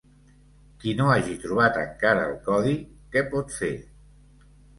Qui no hagi trobat encara el codi, què pot fer?